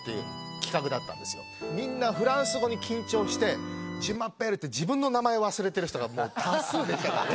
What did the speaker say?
みんなフランス語に緊張して「ジュマペール」って自分の名前を忘れてる人が多数出ちゃって。